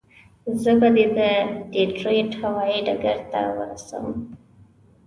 زه به دې د ډیترویت هوایي ډګر ته ورسوم.